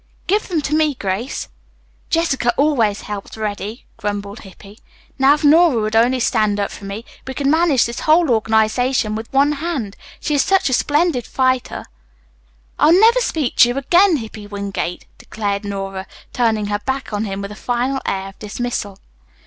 "Give them to me, Grace." "Jessica always helps Reddy," grumbled Hippy. "Now, if Nora would only stand up for me, we could manage this whole organization with one hand. She is such a splendid fighter " "I'll never speak to you again, Hippy Wingate," declared Nora, turning her back on him with a final air of dismissal.